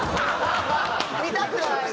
見たくない！